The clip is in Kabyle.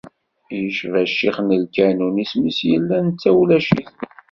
Yecba ccix n lkanun, isem-is yella, netta ulac-it.